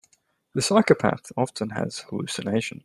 The psychopath often has hallucinations.